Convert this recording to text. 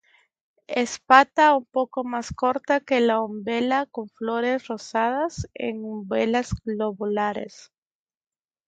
Espata un poco más corta que la umbela, con flores rosadas en umbelas globulares.